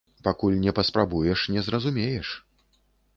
Пакуль не паспрабуеш, не зразумееш.